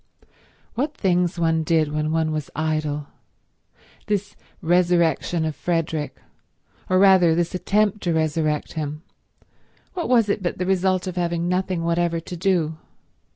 What things one did when one was idle. This resurrection of Frederick, or rather this attempt to resurrect him, what was it but the result of having nothing whatever to do?